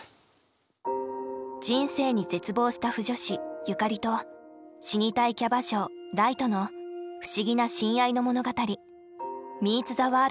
人生に絶望した腐女子由嘉里と死にたいキャバ嬢ライとの不思議な親愛の物語「ミーツ・ザ・ワールド」。